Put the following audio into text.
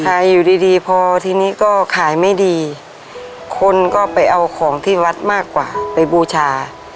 อยู่ดีดีพอทีนี้ก็ขายไม่ดีคนก็ไปเอาของที่วัดมากกว่าไปบูชา